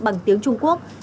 bằng tiếng trung quốc